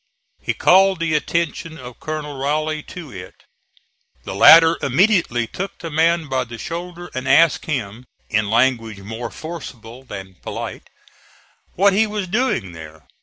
He called the attention of Colonel Rowley to it. The latter immediately took the man by the shoulder and asked him, in language more forcible than polite, what he was doing there.